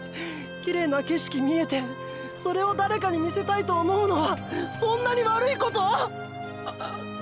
キレイな景色見えてそれを誰かに見せたいと思うのはそんなに悪いこと⁉っ！